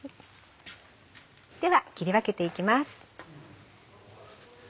では切り分けていきます。